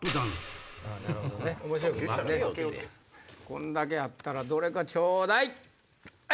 こんだけあったらどれかちょうだい！